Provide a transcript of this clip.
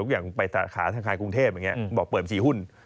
อย่างไปขาธนาคารกรุงเทพฯบอกเปิดบินบัญชีหุ้น